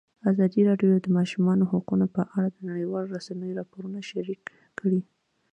ازادي راډیو د د ماشومانو حقونه په اړه د نړیوالو رسنیو راپورونه شریک کړي.